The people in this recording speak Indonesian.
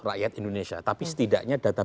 rakyat indonesia tapi setidaknya data